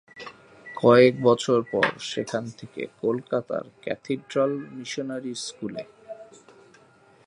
কয়েক বছর পর সেখান থেকে কলকাতার ক্যাথিড্রাল মিশনারি স্কুলে।